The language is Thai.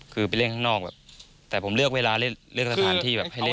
คือไปเล่นข้างนอกแบบแต่ผมเลือกเวลาเล่นเลือกสถานที่แบบให้เล่น